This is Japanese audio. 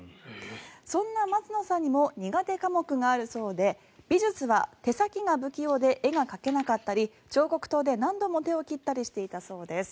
そんな松野さんにも苦手科目があるそうで美術は手先が不器用で絵が描けなかったり彫刻刀で何度も手を切ったりしていたそうです。